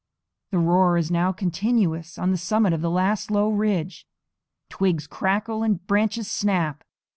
The roar is now continuous on the summit of the last low ridge. Twigs crackle, and branches snap.